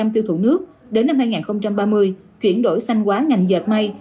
hai mươi tiêu thụ nước đến năm hai nghìn ba mươi chuyển đổi xanh quá ngành dệt may